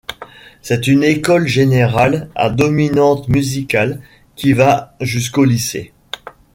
C'est une école générale à dominante musicale, qui va jusqu'au lycée.